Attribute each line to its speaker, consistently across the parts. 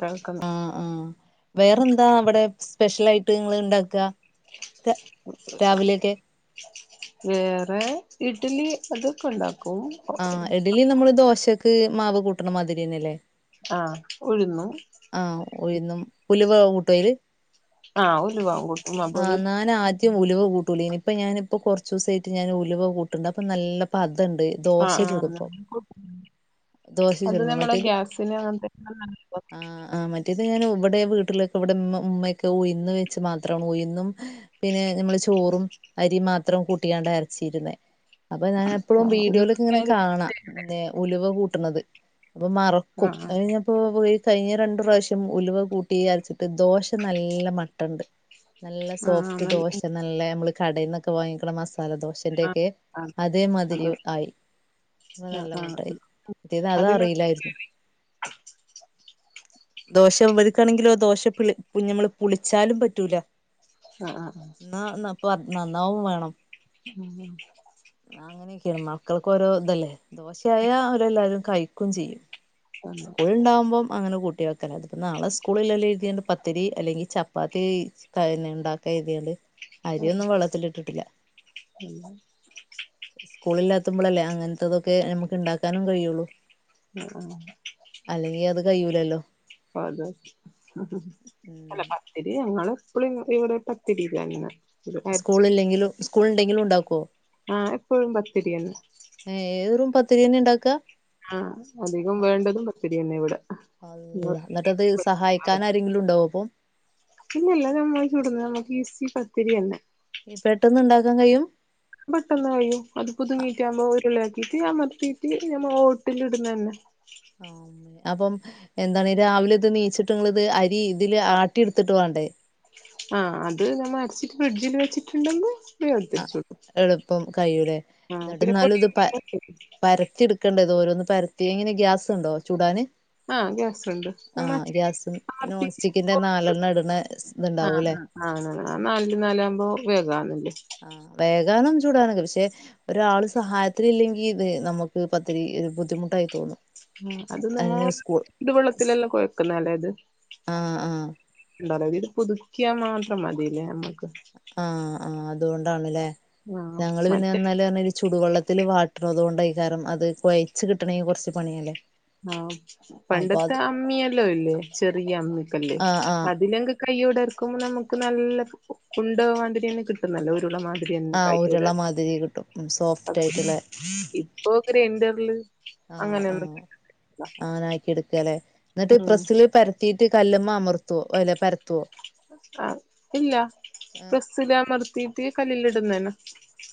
Speaker 1: കേൾക്കുന്നു
Speaker 2: ആഹ് ആഹ് വേറെന്താ അവിടെ സ്പെഷ്യലായിട്ട് ങ്ങള് ഇണ്ടാക്ക
Speaker 1: [unintelligible] വേറെ ഇഡ്ഡ്ലി അതൊക്കെണ്ടാക്കും
Speaker 2: ആഹ് ഇഡ്ലി നമ്മള് ദോശക്ക് മാവ് കൂട്ടണ മാതിര്യന്നല്ലേ
Speaker 1: ആഹ് ഉഴുന്നും
Speaker 2: ആഹ് ഉയുന്നും ഉലുവക്ക കൂട്ടൊയ്ല്?
Speaker 1: ആഹ് ഉലുവ കൂട്ടും അപ്പൊ അത്
Speaker 2: ആഹ് ന്നാനാദ്യം ഉലുവ കൂട്ട് ട്ടൂലേനി ഇപ്പ ഞാന് പ്പൊ കൊർച്ചൂസായിട്ട് ഞാന് ഉലുവ കൂട്ട്ണ്ട് അപ്പ നല്ല പതണ്ട് ദോശ
Speaker 1: ആഹ് ആഹ്
Speaker 2: ചുടുമ്പോ ദോശ
Speaker 1: അത് നമ്മള് ഗ്യാസിന് അങ്ങൻത്തെ [inaudible]
Speaker 2: ആഹ് ആഹ് മറ്റ് റ്റത് ഞാൻ ഇവടെ വീട്ടിലെക്കെ ഇവിടെന്നും ഉമ്മയൊക്കെ ഉയുന്ന് വെച്ച് മാത്രം ഉയുന്നും പിന്നെ ഞമ്മള് ചോറും അരിം മാത്രം കൂട്ടിയാണ്ടാ അരച്ചിര്ന്നേ അപ്പൊ ഞാനെപ്പളും
Speaker 1: ആഹ് ഉലുവ
Speaker 2: വീഡിയോലൊക്കങ്ങനെ
Speaker 1: ആഹ്
Speaker 2: കാണാ പിന്നെ ഉലുവ കൂട്ട്ണത് അപ്പ മറ ക്കും
Speaker 1: ആഹ്
Speaker 2: അങ്ങനെഞാപ്പോ പോയി കഴിഞ്ഞ രണ്ട്പ്രാശ്യം ഉലുവ കൂട്ടി അരച്ചിട്ട് ദോശ നല്ല മട്ടണ്ട് നല്ല
Speaker 1: ആഹ്
Speaker 2: സോഫ്റ്റ്
Speaker 1: നല്ല
Speaker 2: ദോശ നല്ല മ്മള് കടേന്നൊക്കെ വാങ്ങിക്ക്ണ മസാല ദോ
Speaker 1: ആഹ്
Speaker 2: ശന്റെക്കെ
Speaker 1: ആഹ് അത്
Speaker 2: അതേമാതിരി ആയി അപ്പ
Speaker 1: ആഹ്
Speaker 2: നല്ല മട്ടായി
Speaker 1: ആഹ് അതിന്
Speaker 2: മറ്റതതറീലായ്ര്ന്നു ദോശ ഇവര്ക്കാണെങ്കിലോ ദോശ പിളി ക്കുഞമ്മള് പുളിച്ചാലും പറ്റൂല
Speaker 1: ആഹ് ആഹ്
Speaker 2: ന്നാന്നപ്പം നന്നാവും വേണം
Speaker 1: ഉം
Speaker 2: അങ്ങനെക്കെയാണ് മക്കൾക്കോരോ തല്ലേ ദോശയായ ഓലെല്ലാരും കഴി ക്കുംചെയ്യും
Speaker 1: ആഹ്
Speaker 2: സ്കൂൾണ്ടാവ്‌മ്പം അങ്ങനെ കൂട്ടി വെക്കല ഇതിപ്പംനാളെ സ്കൂളിലെല്ലേര്ത്‌യാണ്ട് പത്തിരി അല്ലെങ്കി ചപ്പാത്തീ ക്കയന്നെ ഇണ്ടാക്കാതിയേണ്ട്
Speaker 1: ഉം
Speaker 2: വള്ളത്തില്ട്ട്ട്ട്ല്ല
Speaker 1: ഉം
Speaker 2: സ്കൂളില്ലാത്തുമ്പളല്ലേ അങ്ങൻത്തതൊക്കെ ഞമ്മക്ക് ഇണ്ടാക്കാനും കഴിയൊള്ളൂ അല്ലെങ്കി അത് കയ്യൂലല്ലോ
Speaker 1: പ്പത
Speaker 2: ഉം
Speaker 1: അല്ല പത്തിരി ഞങ്ങളെപ്പളും ഇവിടെ പത്തിരി തന്നെ അരച്ച്
Speaker 2: സ്കൂള് ഇല്ലെങ്കിലും സ്കൂൾ ണ്ടെങ്കിലും ണ്ടാക്കോ.
Speaker 1: ആഹ് എപ്പൊഴും പത്തിരിയന്നെ.
Speaker 2: ഏഏറും പത്തിര്യന്നെ ണ്ടാക്കാ.
Speaker 1: ആഹ് അധികം വേണ്ടതും പത്തിര്യന്നെ ഇവിടെ.
Speaker 2: അള്ള, ന്നട്ടത് സഹായിക്കാനാരെങ്കിലുണ്ടാവൊപ്പം
Speaker 1: ഇല്ലില്ല നമ്മൾ ചുടുന്നത് നമ്മുക്ക് ഇസി പത്തിരി തന്നെ
Speaker 2: പെട്ടെന്ന് ഉണ്ടാക്കാൻ കഴിയും.
Speaker 1: പെട്ടെന്ന് കഴിയും അത് [unintelligible] ആകുമ്പോൾ ഉരുള ആക്കിട്ട് അമർത്തിട്ട് ഞമ്മ ഒട്ടിലിടുന്ന തന്നെ
Speaker 2: ആഹ് അപ്പം എന്താണ് രാവിലെ ഇത് എനീച്ചിട്ട് നിങ്ങള് ഇത് അരി ഇതില് ആട്ടി എടുത്തിട്ട് വേണ്ടേ
Speaker 1: ആഹ് അത് [unintelligible] ഫ്രിഡ്ജിൽ വെച്ചിട്ടുണ്ടെന്ന്.
Speaker 2: ആഹ് എളുപ്പം കഴിയൂലേ
Speaker 1: ആഹ്
Speaker 2: എന്നിട്ട്
Speaker 1: പിന്നെ
Speaker 2: [unintelligible] ഇത് പ
Speaker 1: പൊടിയുണ്ടോ?
Speaker 2: പരത്തി എടു ക്കേണ്ടേോ ഓരോന്ന് പരത്തി എങ്ങനെ ഗ്യാസ് ഉണ്ടോ ചൂടാന്.
Speaker 1: ആഹ് ഗ്യാസുണ്ട് നമ്മ
Speaker 2: ആഹ് ഗ്യാസ് നോൺ
Speaker 1: അമർത്തിട്ട്
Speaker 2: സ്റ്റിക്കിന്റെ നാലെണ്ണം ഇടണെ ഇത്ണ്ടാവൂല്ലേ?
Speaker 1: [unintelligible]
Speaker 2: ആഹ് വേഗാന് ചുടാനൊക്കെ പക്ഷെ ഒരാള് സഹായത്തിന് ഇല്ലെങ്കി ഇത് നമ്മുക്ക് പത്തിരി ഒരു ബുദ്ധിമുട്ടായി തോന്നും.
Speaker 1: ഉം അത് നിങ്ങൾ
Speaker 2: അതിന് സ്കൂൾ
Speaker 1: [unintelligible] കൊഴക്കുന്ന അല്ലേ അത്
Speaker 2: ആ ആ
Speaker 1: [unintelligible] പുതുക്കിയാ മാത്രം മതിയല്ലേ നമ്മുക്ക്.
Speaker 2: ആഹ് ആഹ് അതുകൊണ്ടാണ്ല്ലേ
Speaker 1: ആഹ്
Speaker 2: ഞങ്ങള്
Speaker 1: മറ്റേ
Speaker 2: പിന്നെന്നാല് പറഞ്ഞ ചൂടുവെള്ളത്തിൽ [unintelligible] അത് കൊഴച്ച് കിട്ടണമെങ്കിൽ കുറച്ച് പണിയല്ലേ.
Speaker 1: ആഹ്
Speaker 2: അപ്പൊ
Speaker 1: പണ്ടത്തെ
Speaker 2: അത്
Speaker 1: അമ്മിയല്ലോ ഇല്ലേ ചെറിയ അമ്മിക്കല്ല്
Speaker 2: ആഹ് ആഹ്
Speaker 1: അതില കൈയോടെ അരക്കുമ്പോൾ നമ്മുക്ക് നല്ല [unintelligible] കിട്ടുന്നല്ലോ ഒരുള മാതി.
Speaker 2: ആഹ് ഉരുള മാതിരി കിട്ടും സോഫ്റ്റ് ആയിട്ടുള്ള.
Speaker 1: ഓ ഗ്രൈൻഡറില്
Speaker 2: ആഹ്
Speaker 1: അങ്ങനെയൊന്നും
Speaker 2: ആഹ് അങ്ങനെ ആക്കി എടുക്കാല്ലെ എന്നിട്ട്
Speaker 1: ഉം
Speaker 2: പ്രസ്സില് പരത്തിയിട്ട് കല്ലുമ്മ അമർത്തോ അല്ലെ പരത്തുവോ
Speaker 1: ആഹ് ഇല്ല
Speaker 2: ഏഹ്
Speaker 1: പ്രസില് അമർത്തിട്ട് കല്ലിൽ ഇടുന്നേന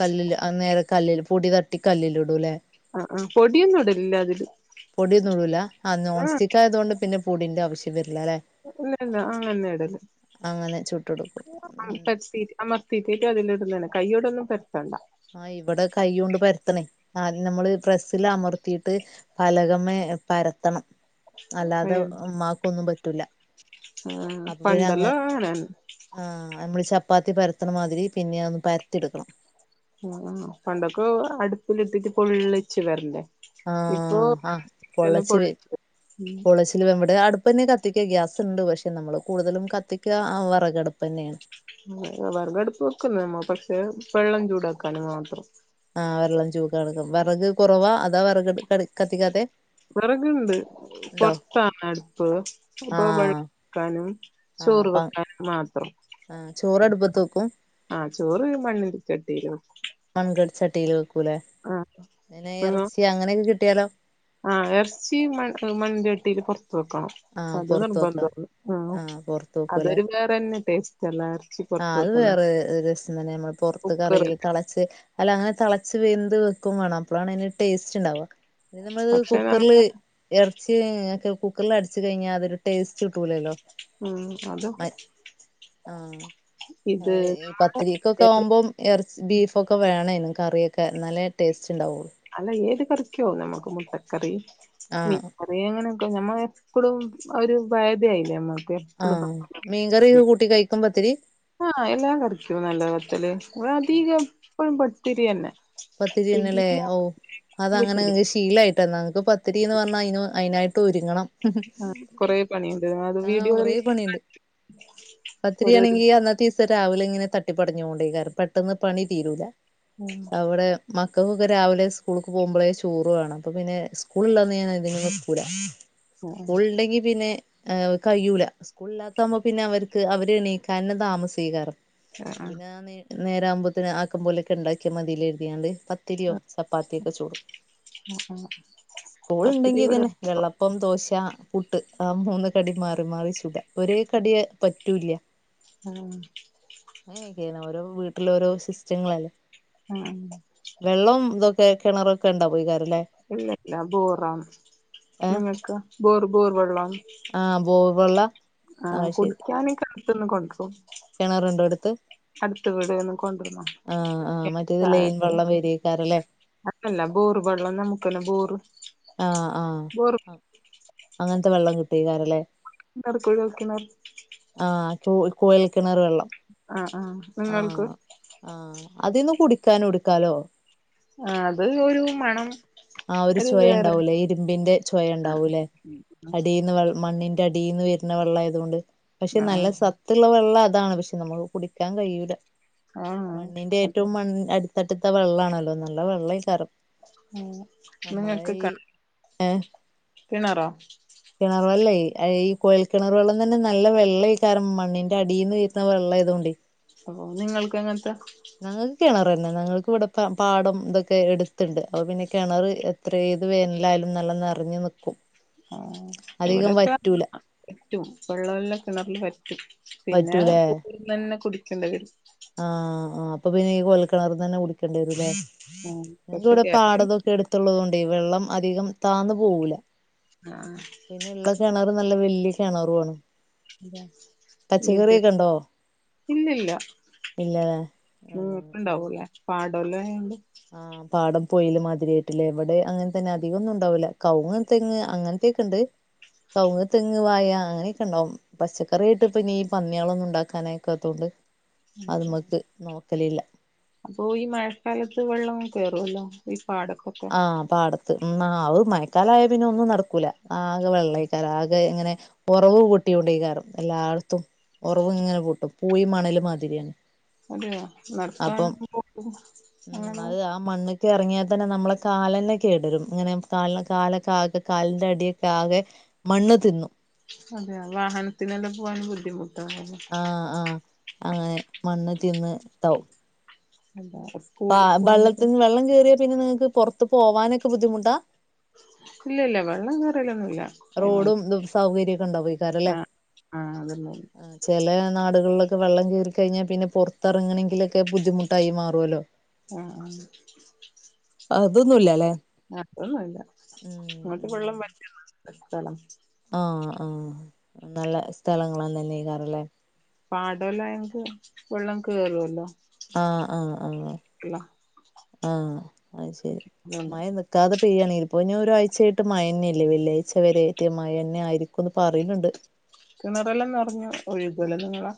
Speaker 2: കല്ലില് അന്നേരം കല്ലില് പൊടി തട്ടി കല്ലിൽ ഇടൂല്ലേ.
Speaker 1: ആഹ് ആഹ് പൊടിയൊന്നും ഇടലില്ല അതില്
Speaker 2: പൊടിയൊന്നും ഇടുല ആഹ് നോൺ സ്റ്റിക്ക് ആയതുകൊണ്ട് പിന്നെ പൊടിന്റെ ആവശ്യം വരില്ല അല്ലെ
Speaker 1: ഇല്ലില്ല [unintelligible] ഇടല്
Speaker 2: അങ്ങനെ ചുട്ടെടുക്കും ഉം
Speaker 1: [unintelligible] അമർത്തിയിട്ട് [unintelligible] കയ്യോടൊന്നും പെരത്തണ്ട
Speaker 2: ആഹ് ഇവിടെ കൈ കൊണ്ട് പരത്തണേ ആദ്യം നമ്മള് പ്രസ്സില് അമർത്തിയിട്ട്. പലകമേ പരത്തണം അല്ലാതെ ഉമ്മാക്കൊന്നും പറ്റൂല്ല.
Speaker 1: ആഹ് [unintelligible]
Speaker 2: ആഹ് നമ്മള് ചപ്പാത്തി പരത്തണമാതിരി പിന്നെ ഒന്ന് പരത്തി എടുക്കണം
Speaker 1: [unintelligible] പണ്ടൊക്കെ അടുപ്പിലിട്ടിട്ട് പൊള്ളിച്ച് വരണ്ടേ ഇപ്പൊ
Speaker 2: ആഹ് ആഹ്
Speaker 1: തന്നെ പൊ
Speaker 2: പൊളച്ച് വരും
Speaker 1: ഉം
Speaker 2: പൊളച്ച് ഇവിടെ അടുപ്പന്നെ കത്തിക്ക ഗ്യാസ്ണ്ട് പക്ഷെ നമ്മള് കൂടുതലും കത്തിക്കുക വിറക് അടുപ്പ് തന്നെയാണ്.
Speaker 1: വിറക് അടുപ്പ് വെക്കും [unintelligible] പക്ഷെ വെള്ളം ചൂടാക്കാന് മാത്രം.
Speaker 2: ആഹ് വെള്ളം [unintelligible] എടുക്കും വിറക് കുറവാ അതാ വിറക് ക കത്തിക്കാത്ത
Speaker 1: വിറകുണ്ട് പുറത്താണ് അടുപ്പ് അപ്പൊ
Speaker 2: ആഹ്
Speaker 1: [unintelligible]
Speaker 2: ആഹ്
Speaker 1: ചോറ്
Speaker 2: അപ്പ
Speaker 1: വെക്കാനും മാത്രം.
Speaker 2: ആഹ് ചോറ് അടുപ്പത്ത് വെക്കും.
Speaker 1: ആഹ് ചോറ് മണ്ണിന്റെ ചട്ടിലും.
Speaker 2: [unintelligible] ചട്ടിയിൽ വെക്കൂല്ലേ പിന്നെ ഇറച്ചി അങ്ങനെയൊക്കെ കിട്ടിയാലോ
Speaker 1: ആഹ് ഇറച്ചി മണ് മണ്ണ്ചട്ടിൽ പുറത്ത് വെക്കണം.
Speaker 2: ആഹ്
Speaker 1: അത്
Speaker 2: പുറത്ത്
Speaker 1: നിർബന്ധ
Speaker 2: വെക്കണം
Speaker 1: അത് ആഹ്
Speaker 2: പുറത്ത് വെക്കൂല്ലേ
Speaker 1: അതൊരു വേറെന്നെ ടേസ്റ്റ് അല്ല.
Speaker 2: ആഹ്
Speaker 1: പൊറത്ത്
Speaker 2: അത്
Speaker 1: വെക്കുന്നെ
Speaker 2: വേറെ ഒരു രസം തന്നെ നമ്മള് പുറത്ത് കറിയില്
Speaker 1: കുക്കറില്
Speaker 2: തിള അല്ല അങ്ങനെ തളച്ച് വെന്ത് വെക്കും വേണം അപ്പളാണ് അയിന്റെ ടേസ്റ്റ്ണ്ടാവ പിന്നെ നമ്മളത്
Speaker 1: പക്ഷെ നമ്മള്
Speaker 2: കുക്കറില് എറച്ചി ഒക്കെ കുക്കറില് അടച്ചു കഴിഞ്ഞാ അതൊരു ടേസ്റ്റ് കിട്ടൂലല്ലോ?
Speaker 1: ഉം അതും
Speaker 2: മറ്റെ ആഹ്
Speaker 1: ഇത്
Speaker 2: ആഹ് അതെ
Speaker 1: നമ്മള്
Speaker 2: പത്തിരിക്കൊക്കെ
Speaker 1: ഏത്
Speaker 2: ആവുമ്പോം എറച്ചി ബീഫൊക്കെ വേണേനും കറിയൊക്കെ ഇന്നാല്ലേ ടേസ്റ്റ് ഇണ്ടാവൊള്ളൂ
Speaker 1: അല്ല ഏത് കറിക്കോ നമുക്ക് മുട്ട ക്കറി മീൻ
Speaker 2: ആഹ്
Speaker 1: അതെ അങ്ങനെക്കും ഞമ്മളെ എപ്പളും ഒരു ബേധായായില്ലേ നമ്മ
Speaker 2: ആഹ് മീൻകറി കൂട്ടി കഴിക്കും പത്തിരി?
Speaker 1: ആഹ് എല്ലാം കറിക്കും നല്ല പത്തല് ഇവടെ അധികം എപ്പഴും പത്തിരി തന്നെ
Speaker 2: പത്തിരി തന്നെല്ലേ?
Speaker 1: ഇഡ്ലി
Speaker 2: ഓഹ് അത് അങ്ങനെ
Speaker 1: ചൂടി
Speaker 2: ഇങ്ങക്ക് ശീലായിട്ടാ ഇന്നാ ഞങ്ങക്ക് പത്തിരിന്ന് പറഞ്ഞാ അ അയിനായിട്ട് ആട്ട് ഒരുങ്ങണം
Speaker 1: ആഹ് കൊറേ പണിയ്ണ്ട് അത്
Speaker 2: ആഹ്
Speaker 1: വീഡിയോകള്
Speaker 2: കൊറേ പണിണ്ട്
Speaker 1: ഓരോ
Speaker 2: പത്തിരിയാണെങ്കി അന്നത്തെ രാവിലെ ഇങ്ങനെ തട്ടിപ്പടഞ്ഞോണ്ടെയ്ക്കാരം പെട്ടെന്ന് പണി തീരൂല
Speaker 1: ഉം
Speaker 2: അവിടെ മക്കക്കൊക്കെ രാവിലെ സ്കൂളിൽക്ക് പോകുമ്പളേ ചോറും വേണം അപ്പൊ പിന്നെ സ്കൂളില്ലന്ന് ഞാൻ അധികം കട്കൂല
Speaker 1: ആഹ്
Speaker 2: സ്കൂൾ ഇണ്ടങ്കി പിന്നെ ഏഹ് കയ്യൂല സ്കൂളില്ലാത്താവുമ്പോ പിന്നെ അവര്ക്ക് അവര് എണീക്കാ തന്നെ താമസെയ്ക്കാരം അപ്പൊ
Speaker 1: ആഹ്
Speaker 2: പിന്നെ ആ നേരാ ആവുമ്പോത്തിന് ആക്കം പോലൊക്കെ ഇണ്ടാക്കിയാ മതിലെ കര്തിയാണ്ട് പത്തിരിയോ,
Speaker 1: ആഹ്
Speaker 2: ചപ്പാത്തിയൊക്കെ, ചുടും
Speaker 1: ആഹ്
Speaker 2: സ്കൂള്
Speaker 1: പത്തിരി
Speaker 2: ഇണ്ടെങ്കി
Speaker 1: ഇവിടെ
Speaker 2: തന്നെ
Speaker 1: വെക്കും
Speaker 2: വെള്ളപ്പം ദോശ, പുട്ട്, ആ മൂന്ന് കടി മാറി മാറി ചുട ഒരേ കടി പറ്റൂല്ല്യ
Speaker 1: ആഹ്
Speaker 2: അങ്ങനെയെക്കെയാണ് ഓരോ വീട്ടില് ഓരോ സിസ്റ്റങ്ങളല്ലേ?
Speaker 1: ആഹ്
Speaker 2: വെള്ളം ഇതൊക്കെ കിണറൊക്കെ ഇണ്ടാവൊയ്കാരല്ലേ?
Speaker 1: ഇല്ലല്ല ബോറാണ് നിങ്ങക്ക? ബോർ ബോർ വെള്ളം
Speaker 2: ആഹ് ബോവെള്ള?
Speaker 1: ആഹ് കുടിക്കാൻ കെണറ്റ്ന്ന് കൊണ്ടരും
Speaker 2: കെണറുണ്ടോ എടുത്ത്?
Speaker 1: അടുത്ത വീട്
Speaker 2: ആഹ് ആഹ് മറ്റേത് ലൈൻ വെള്ളം വെരയ്ക്കാരല്ലേ?
Speaker 1: അല്ലല്ല ബോറ് വെള്ളം നമുക്കെല്ലാം ബോറ്
Speaker 2: ആഹ് ആഹ്
Speaker 1: ബോറ്
Speaker 2: അങ്ങനത്തെ വെള്ളം കിട്ടുവെയ്ക്കാരല്ലേ?
Speaker 1: എന്താ ആടെ കുഴി കുഴിക്ക്ണെ?
Speaker 2: ആഹ് കൊഴൽ കിണർ വെള്ളം
Speaker 1: ആഹ് ആഹ്
Speaker 2: ആഹ് ആഹ് അതീന്ന് കുടിക്കാനും എടുക്കാലോ?
Speaker 1: ആഹ് അത് ഒരു മണം
Speaker 2: ആഹ് ഒരു ചൊയ ഇണ്ടാവൂല്ലേ ഇരുമ്പിന്റെ ചൊയ
Speaker 1: ആ
Speaker 2: ഇണ്ടാവൂല്ലേ അടീന്ന് മണ്ണിന്റെ അടീന്ന് വരുന്ന വെള്ളാ ആയതോണ്ട് പക്ഷെ
Speaker 1: ആ
Speaker 2: നല്ല സ ത്തുള്ള വെള്ളം അതാണ് പക്ഷെ നമുക്ക് കുടിക്കാൻ കഴിയൂല
Speaker 1: ആ
Speaker 2: മണ്ണിന്റെ
Speaker 1: അത്
Speaker 2: ഏറ്റവും മണ്ണ് അട് തട്ട്ത്തെ വെള്ളാണല്ലോ നല്ല വെള്ളെയ്ക്കാരം
Speaker 1: ഉം നിങ്ങക്ക് കിണറോ?
Speaker 2: കെണർ വെള്ളേ ഈ കൊഴൽ കിണർ വെള്ളം തന്നെ നല്ല വെള്ളെയ്ക്കാരം മണ്ണിന്റെ അടീന്ന് വര്ന്ന വെള്ളായതോണ്ട്
Speaker 1: അപ്പൊ നിങ്ങൾക്ക് എങ്ങനത്തെ?
Speaker 2: ഞങ്ങക്ക് കിണർ തന്നെ ഞങ്ങക്ക് ഇവിടെ പാടം ഇതൊക്കെ എടുത്ത്ണ്ട് അപ്പൊ പിന്നെ കെണറ് എത്രെ ഏത് വേനലായാലും നല്ല നെറഞ് നിക്കും
Speaker 1: ആഹ്
Speaker 2: അധികം
Speaker 1: ഇവടെക്കെ
Speaker 2: വറ്റൂല
Speaker 1: വറ്റും വെള്ളവെല്ലാം കിണറില് വറ്റും പിന്നെ
Speaker 2: വറ്റൂലേ
Speaker 1: [unintelligible] നെന്നെ കുടിക്കെണ്ടത്.
Speaker 2: ആഹ് ആഹ് അപ്പൊ പിന്നെ ഈ കൊയൽ കെണറ്ന്നെന്നെ കുടിക്കേണ്ട്യെരുല്ലേ
Speaker 1: ഉം
Speaker 2: [unintelligible]
Speaker 1: പക്ഷെ
Speaker 2: വടെ
Speaker 1: കേരളത്തിൽ
Speaker 2: പാടതൊ എട്ത്ത്ള്ളതൊണ്ടെ വെള്ളം അതികം താന്ന് പോവുല്ല
Speaker 1: ആഹ്
Speaker 2: പിന്നെള്ള കെണറ് നല്ല വെല്ല്യെ കെണറ്വാണ്.
Speaker 1: ഇതാ ഇത്
Speaker 2: ഉണ്ടോ
Speaker 1: ഇല്ല്യല്ല
Speaker 2: ഇല്ലല്ലേ
Speaker 1: ഉം ഇപ്പണ്ടാവൂല്ലേ പാടല്ലോയാണ്ട്
Speaker 2: ആഹ് പാടം പോയില് മതിരി കെട്ട് ലേര്ന്നു ഇബടെ അങ്ങൻ തെന്നെ അധികൊന്നു ണ്ടാവൂല്ല കവുങ്, തെങ്ങ് അങ്ങൻത്തെക്കെ ണ്ട്. കവ്ങ്, തെങ്ങ്, വാഴ അങ്ങനെക്കെ ണ്ടാവും. പച്ചക്കറ്യായിട്ട് പ്പഞീ പന്ന്യെളൊന്നു ണ്ടാക്കാനയക്കാത്തൊണ്ട് അത് മക്ക് നോക്കലില്ല.
Speaker 1: അപ്പൊ ഈ മഴക്കാലത്ത് വെള്ളം കേറുവല്ലോ ഈ പാടക്കൊ
Speaker 2: ആഹ് പാട ത്ത് ഉം ആഹ് ഒരു മയക്കാലായാ പിന്നെ ഒന്നും നടക്കൂല ആകെ വെള്ളേക്കാരം ആകെ ഇങ്ങനെ ഒറവ് പൊട്ട്യൊണ്ടേകാരം എല്ലാട്ത്തും ഒറവ്ങ്ങനെ പൊട്ടും പൂയി മണല് മാതിര്യാണ്.
Speaker 1: അതെയോ നടക്കാന
Speaker 2: ഉം
Speaker 1: [unintelligible] [unintelligible]
Speaker 2: അത് ആ മണ്ണ്ക്ക് എറങ്ങ്യാ തന്നെ നമ്മളെ കാലെന്നെ കേടരും ഇങ്ങനെ കാലക്കാലക്കാകെ കാലിൻ്റട്യൊക്കാകെ മണ്ണ് തിന്നും
Speaker 1: അതെയാ വാഹനത്തിനെല്ലാം പോവാണെ ബുദ്ധിമുട്ടാ [unintelligible]
Speaker 2: ആഹ് ആഹ് അങ്ങനെ മണ്ണ് തിന്ന് താവും
Speaker 1: എന്താ [unintelligible]
Speaker 2: ആഹ് ബള്ളത്തിന് വള്ളം കേറ്യാ പിന്നെ നിങ്ങക്ക് പൊർത്ത് പോവാനൊക്കെ ബുദ്ധിമുട്ടാ?
Speaker 1: ഇല്ല ല്ല വെള്ളം കേറലൊന്നുല്ല.
Speaker 2: റോഡും
Speaker 1: എങ്ങോട്ട്
Speaker 2: തും സൗകര്യൊക്കെ ണ്ടാവെക്കാരല്ലേ
Speaker 1: ആഹ് ആഹ് അതൊന്നുല്ല
Speaker 2: ചെലെ നാടുകളിലൊക്കെ വെള്ളം കേറി ക്കഴിഞ്ഞാ പിന്നെ പൊർത്തർങ്ങണെങ്കിലൊക്കെ ബുദ്ധിമുട്ടായി മാറോല്ലോ.
Speaker 1: ആഹ് ആഹ്
Speaker 2: അതൊന്നുല്ല ല്ലേ
Speaker 1: അതൊന്നുല്ല ഇങ്ങോട്ട്
Speaker 2: ഉം
Speaker 1: വെള്ളം വറ്റുന്ന സ്ഥലാ
Speaker 2: ആഹ് ആഹ് നല്ല സ്ഥലങ്ങളെന്നന്നെക്കാര ല്ലേ
Speaker 1: പാട ല്ലായേങ്ക് വെള്ളം കേറുവല്ലോ
Speaker 2: ആഹ് ആഹ് ആഹ്
Speaker 1: [unintelligible]
Speaker 2: ആഹ് അത് ശെരി
Speaker 1: അതുകൊണ്ട്
Speaker 2: മഴ നി ക്കാതെ പെയ്യാണേൽ ഇപ്പോ ഒരാഴ്ചായിട്ട് മഴന്ന്യെല്ലേ വെള്ളിയാഴ്ച വരെ യ്റ്റ് മഴെന്നായിരിക്കുന്ന് പറിണ് ണ്ട്.
Speaker 1: കിണറെല്ലം നറഞ്ഞു ഒഴുകൂലെ നിങ്ങളെ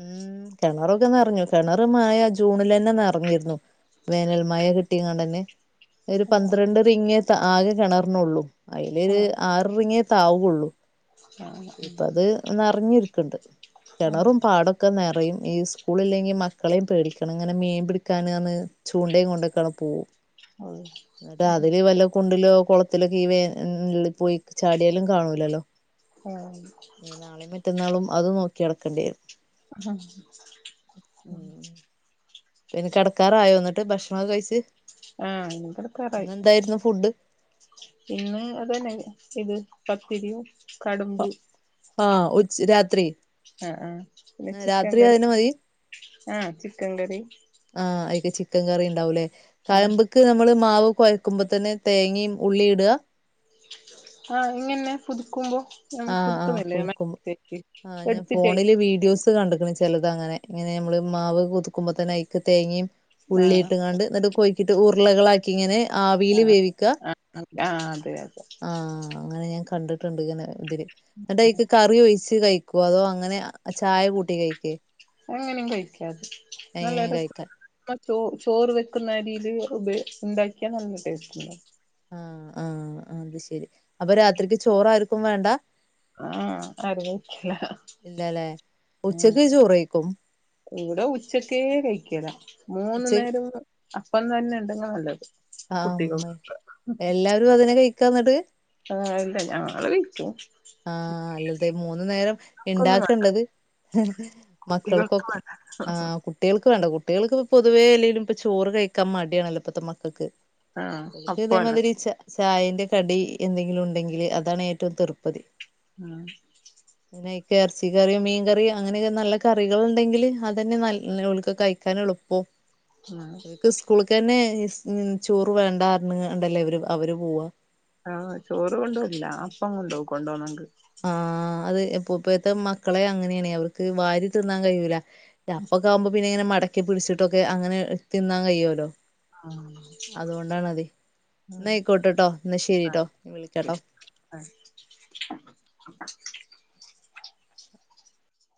Speaker 2: ഉം കെണറൊക്കെ നറഞ്ഞു കെണറ് മഴ ജൂണിലെന്നെ നർഞ്ഞിരുന്നു. വേനൽ മഴ കിട്ടിങ്ങാണ്ടെന്നെ. ഒരു
Speaker 1: ആഹ്
Speaker 2: പന്ത്രണ്ട് റിങ്ങേ റ്റെ ആകെ കെണറിന്നൊള്ളു അയ്ല് ആറ് റിങ്ങേ താവൊള്ളു. ഇപ്പ ത് നർഞ്ഞിരിക്ക്ണ്ട് കെണറും പാടും ക്കെ നറയും ഈ സ്കൂളില്ലെങ്കി മക്കളിം പേടിക്കണം ഇങ്ങനെ മീൻ പിടിക്കാനാണ് ചൂണ്ടയും കൊണ്ടൊക്കാണ് പോവും. ന്നട്ടാ തില് വല്ലോം കുണ്ടിലോ കൊളത്തിലൊക്കെ ഈ വേ ൻ ല് പോയി ചാട്യാലും കാണൂല്ലല്ലോ.
Speaker 1: ആഹ്
Speaker 2: ഇനി നാളെയും മറ്റന്നാളും അത് നോക്കി നടക്കണ്ടി വരും
Speaker 1: ആഹ്
Speaker 2: ഉം
Speaker 1: [inaudible]
Speaker 2: എന്നിട്ട് കെടക്കാറായോ ന്നിട്ട് ഭക്ഷണൊക്കെ കഴിച്ച്
Speaker 1: ആഹ്
Speaker 2: ഇന്ന്
Speaker 1: ഇനികിടക്കാറായി
Speaker 2: എന്തായിരുന്നു ഫുഡ്
Speaker 1: ഇന്ന് അതന്നെ ചെയ്തത് പത്തിരിയും കടുമ്പു
Speaker 2: ആഹ് ഉച്ച രാത്രി
Speaker 1: ആ ആ ആ പിന്നെ ചിക്കൻ
Speaker 2: രാത്രി
Speaker 1: കറി
Speaker 2: അതിന് മതി
Speaker 1: ആ ചിക്കൻ കറി
Speaker 2: ആഹ് അതിന്റെ ചിക്കൻ കറി ഉണ്ടാവൂല്ലേ
Speaker 1: ആഹ്
Speaker 2: കയമ്പ് അതിൽക്ക് നമ്മള് മാവ് കുഴക്കുമ്പോ തന്നെ തേങ്ങയും ഉള്ളിയും ഇടുക
Speaker 1: ആഹ ങ്ങനെ പുതുക്കുമ്പോ നമുക്ക്
Speaker 2: ആഹ് ആഹ് കുതുക്കുമ്പോ
Speaker 1: [unintelligible] എടുത്തിതാക്കി
Speaker 2: ഇത് കണ്ടക്കണ ചിലത് അങ്ങനെ ഇങ്ങനെ നമ്മള് മാവ് കൊയക്കുമ്പോ തന്നെ ഐക്ക് തേങ്ങിയും
Speaker 1: ആഹ്
Speaker 2: ഉള്ളിയിട്ടുംങ്ങാണ്ട് എന്നിട്ട് കൊയ്ക്കിട്ട് ഉരുളകളാക്കി ഇങ്ങനെ ആവിൽ വേവിക്ക
Speaker 1: അ ത് ആ അതെ അതെ
Speaker 2: ആഹ അങ്ങനെ ഞാൻ കണ്ടിട്ടുണ്ട് ഇങ്ങനെ ഇതില് ഇങ്ങടയ്ക്ക് കറി ഒയിച്ച് കയ്ക് പ്പോ അതോ അങ്ങനെ ചായ കൂട്ടി കയിക്കെ
Speaker 1: എങ്ങനിം കയിക്കത് നല്ല
Speaker 2: എങ്ങനെയും
Speaker 1: രസം
Speaker 2: കഴിക്കാൻ
Speaker 1: ഉമ്മ ചോറ് വെക്കുന്ന അരിയില് ഉ [unintelligible] ഉണ്ടാക്കിയാ നല്ല ടേസ്റ്റ് ഉണ്ട്
Speaker 2: ആഹ ആഹ് അത് ശെരി അപ്പൊ രാത്രിക്ക്ചോറ് ആർക്കും വേണ്ട
Speaker 1: ആഹ അറിയതില്ല
Speaker 2: ഇല്ലല്ലേ
Speaker 1: ഹഹ ഉ
Speaker 2: ഉച്ചക്ക് ചോറ് കഴിക്കും
Speaker 1: ഇവിടെ ഉച്ചക്കേ കഴിക്കല മൂന്ന
Speaker 2: ഉച്ചക്ക്
Speaker 1: നേരം അപ്പം തന്നെ ഉണ്ടാക്കാ നല്ലത്
Speaker 2: ആ
Speaker 1: കുട്ടികൾ
Speaker 2: അമ്മ എല്ലാരും അതിനെ കയിക്കാന്നിട്ട്
Speaker 1: അ ആല്ലല്ല ഞങ്ങള് വൈക്കും
Speaker 2: ആഹ അല്ലാതെ മൂന്നു നേരം
Speaker 1: ക്കൊന്നും വേണ്ട
Speaker 2: ഇണ്ടാക്കേണ്ടത്ഹേ
Speaker 1: കുട്ടികൾക്ക്
Speaker 2: മക്കൾക്കൊക്കെ
Speaker 1: വേണ്ട
Speaker 2: ആകും കുട്ടികൾക്ക് വേണ്ട കുട്ടികൾക്ക്പ്പൊ പൊതുവേ എല്ലെലും ഇപ്പ ചോറ് കയിക്കാൻ മടിയണല്ലോപ്പത്തെ മക്കൾക്ക്
Speaker 1: ആഹ് അപ്പം തന്നെ
Speaker 2: ഇക്ക്ഇതേമാതിരിച്ച ചായന്റെ കടി എന്തെങ്കിലും ഉണ്ടെങ്കിൽ അതാണ് ഏറ്റവും തെറുപ്തീ
Speaker 1: ആഹ
Speaker 2: പിന്നെക്ക യ്ക്ക് ഇറച്ച കറിയോ മീൻ കറിയോ അങ്ങനെയൊക്കെ നല്ല കറികൾ ഉണ്ടെങ്കിൽ അത് തന്നെ നല്ലക്ക് ഓല്ക്ക് കയിക്കാന എളുപ്പം പ്പോ
Speaker 1: ഉം
Speaker 2: [unintelligible] ക്ക് സ്കൂളക്ക്ന്നെ ചോറ് വേണ്ടെന്നപറഞ്ഞ് ണ്ടല്ല അവര് പോവാ
Speaker 1: ആഹ് ചോറ് കൊണ്ടുവല്ല അപ്പ കൊണ്ടവും കൊണ്ടവണ്ട്
Speaker 2: ആഹ അത് ഇപ്പൊ ഇപ്പോത്തെ മക്കളെ അങ്ങനെയണ അവർക്ക് വാരി തിന്നാൻ കഴിയൂല ഞമൽക് ആവുമ്പോ പിന്നെ ഇങ്ങനെ മടക്കി പിടിച്ചിട്ടൊക്കെ അങ്ങനെ തിന്നാൻ കിയുവോല്ലോ
Speaker 1: ആഹ്
Speaker 2: അതുകൊണ്ടാണ്തി ഇന്നാ യിക്കോട്ടട്ടോ ന്ന ശെരിട്ടോ വിളിക്കട്ടോ
Speaker 1: ആ [inaudible]